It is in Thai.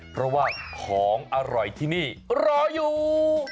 เพราะว่าของอร่อยที่นี่รออยู่